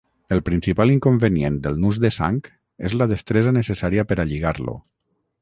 El principal inconvenient del nus de sang és la destresa necessària per a lligar-lo.